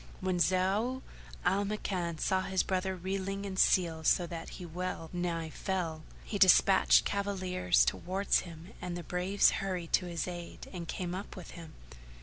When Zau al Makan saw his brother reeling in selle so that he well nigh fell, he despatched cavaliers towards him and the braves hurried to his aid and came up with him.